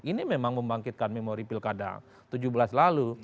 ini memang membangkitkan memori pilkada tujuh belas lalu